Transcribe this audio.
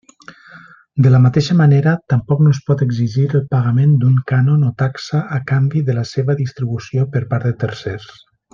De la mateixa manera, tampoc no es pot exigir el pagament d'un cànon o taxa a canvi de la seva distribució per part de tercers.